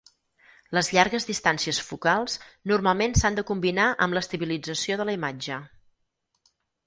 Les llargues distàncies focals normalment s'han de combinar amb l'estabilització de la imatge.